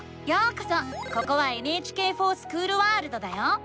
ここは「ＮＨＫｆｏｒＳｃｈｏｏｌワールド」だよ！